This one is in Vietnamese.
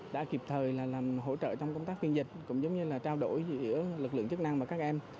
đã kịp thời làm hỗ trợ trong công tác viên dịch cũng giống như là trao đổi giữa lực lượng chức năng và các em